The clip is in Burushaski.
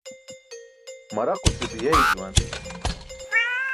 Maraquce biyay juwan.